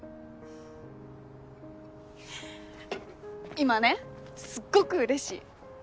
今ねすっごくうれしい。